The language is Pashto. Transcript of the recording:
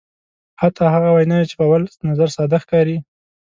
حتی هغه ویناوی چې په اول نظر ساده ښکاري.